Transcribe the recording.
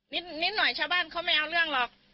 นิดหน่อยชาวบ้านเขาไม่เอาเรื่องหรอก